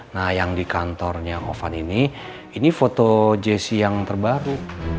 nah yang di kantornya ovan ini ini foto jesse yang terbaru